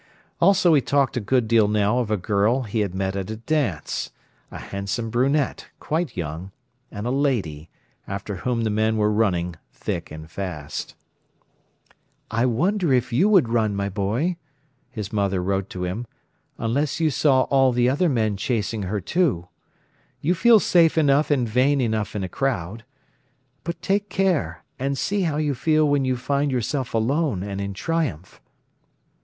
Also he talked a good deal now of a girl he had met at a dance, a handsome brunette, quite young, and a lady, after whom the men were running thick and fast. "I wonder if you would run, my boy," his mother wrote to him, "unless you saw all the other men chasing her too. You feel safe enough and vain enough in a crowd. But take care, and see how you feel when you find yourself alone, and in triumph."